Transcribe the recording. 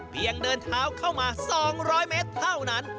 เดินเท้าเข้ามา๒๐๐เมตรเท่านั้น